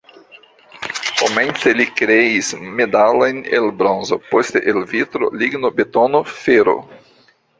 Komence li kreis medalojn el bronzo, poste el vitro, ligno, betono, fero.